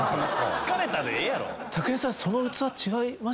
疲れたでええやろ！